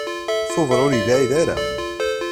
Tubeṛ ur yebɛid ara.